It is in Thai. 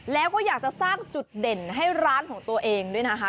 แล้วก็อยากจะสร้างจุดเด่นให้ร้านของตัวเองด้วยนะคะ